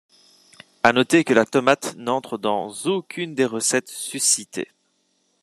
À noter que la tomate n'entre dans aucunes des recettes sus-citées.